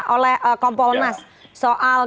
oleh kompol nas soal